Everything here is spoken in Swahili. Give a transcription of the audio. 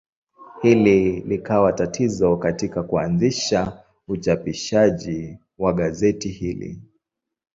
Hili likawa tatizo katika kuanzisha uchapishaji wa gazeti hili.